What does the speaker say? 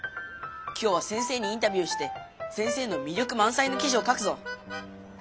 今日は先生にインタビューして先生のみりょくまんさいの記事を書くぞ！